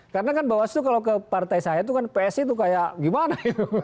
karena kan bawaslu kalau ke partai saya itu kan psi itu kaya gimana